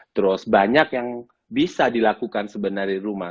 terus banyak yang bisa dilakukan sebenarnya di rumah